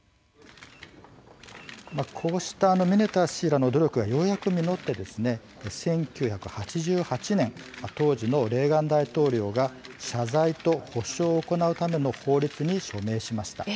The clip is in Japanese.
こうしたミネタ氏らの努力がようやく実って、１９８８年当時のレーガン大統領が謝罪と補償を行うための法律に署名しました。